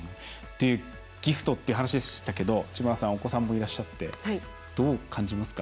ギフトっていう話でしたけど知花さんはお子さんもいらっしゃってどう感じますか？